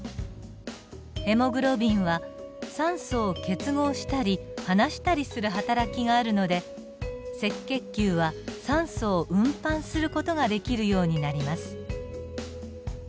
ヘモグロビンは酸素を結合したり離したりするはたらきがあるので赤血球は酸素を運搬する事ができるようになります。